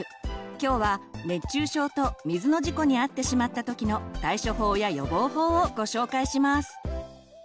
今日は「熱中症」と「水の事故」に遭ってしまった時の対処法や予防法をご紹介します！